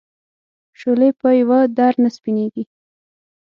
شولې په یوه در نه سپینېږي.